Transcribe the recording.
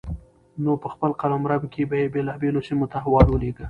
نو په خپل قلمرو کې به يې بېلابېلو سيمو ته احوال ولېږه